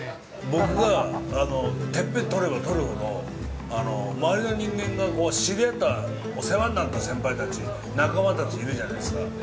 僕がてっぺん取れば取るほど周りの人間が、知り合ったお世話になった先輩たち、仲間たち、いるじゃないですか。